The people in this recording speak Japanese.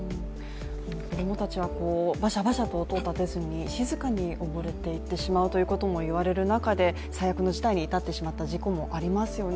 子供たちはバシャバシャと音を立てずに静かに溺れていってしまうといわれている中で言われる中で、最悪の事態に至ってしまった事故もありますよね。